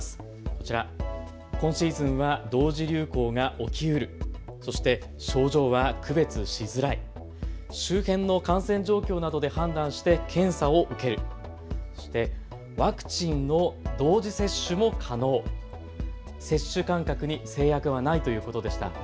こちら、今シーズンは同時流行が起きうる、そして症状は区別しづらい、周辺の感染状況などで判断して検査を受ける、そしてワクチンの同時接種も可能、接種間隔に制約はないということでした。